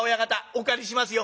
お借りしますよ」。